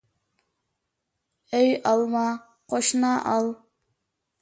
ئۆي ئالما، قوشنا ئال.